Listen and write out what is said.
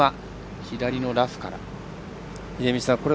左のラフから。